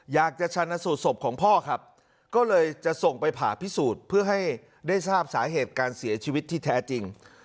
ชันสูตรศพของพ่อครับก็เลยจะส่งไปผ่าพิสูจน์เพื่อให้ได้ทราบสาเหตุการเสียชีวิตที่แท้จริง